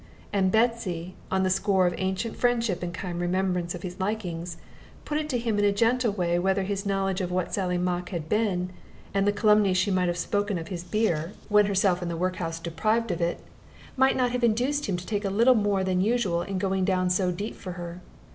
And Betsy, on the score of ancient friendship and kind remembrance of his likings, put it to him in a gentle way whether his knowledge of what Sally Mock had been, and the calumnies she might have spoken of his beer (when herself, in the work house, deprived of it), might not have induced him to take a little more than usual in going down so deep for her.